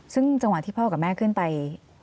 ซึ่งจังหวะที่พ่อกับแม่ขึ้นไป